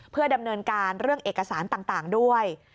เพื่อดำเนินการเรื่องเอกสารต่างด้วย